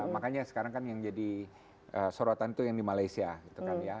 makanya sekarang kan yang jadi sorotan itu yang di malaysia gitu kan ya